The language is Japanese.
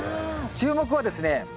注目はですね